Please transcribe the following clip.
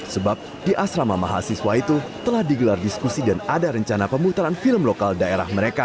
sebab di asrama mahasiswa itu telah digelar diskusi dan ada rencana pemutaran film lokal daerah mereka